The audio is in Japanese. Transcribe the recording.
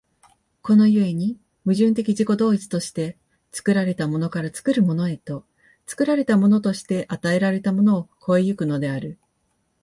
この故に矛盾的自己同一として、作られたものから作るものへと、作られたものとして与えられたものを越え行くのである。